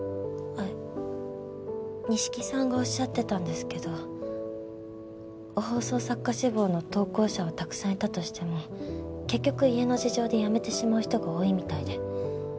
西木さんがおっしゃってたんですけど放送作家志望の投稿者はたくさんいたとしても結局家の事情でやめてしまう人が多いみたいで。